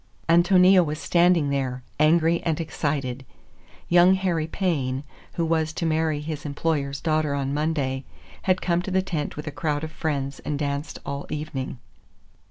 Ántonia was standing there, angry and excited. Young Harry Paine, who was to marry his employer's daughter on Monday, had come to the tent with a crowd of friends and danced all evening.